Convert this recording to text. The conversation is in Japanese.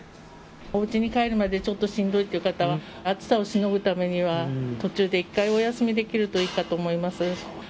おうちに帰るまで、ちょっとしんどいという方は、暑さをしのぐためには、途中で１回お休みできるといいかと思います。